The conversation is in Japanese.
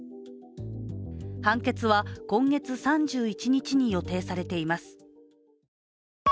判決は今月３１日に予定されています。